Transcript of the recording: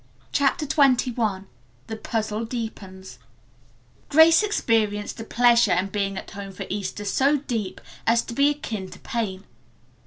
CHAPTER XXI THE PUZZLE DEEPENS Grace experienced a pleasure in being at home for Easter so deep as to be akin to pain.